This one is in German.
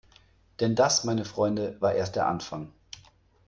Denn das, meine Freunde, war erst der Anfang!